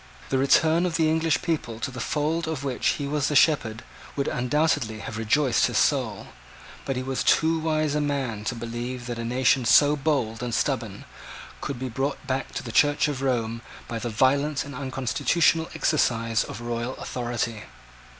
The return of the English people to the fold of which he was the shepherd would undoubtedly have rejoiced his soul. But he was too wise a man to believe that a nation so bold and stubborn, could be brought back to the Church of Rome by the violent and unconstitutional exercise of royal authority.